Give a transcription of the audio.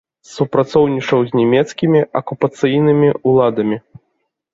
Супрацоўнічаў з нямецкімі акупацыйнымі ўладамі.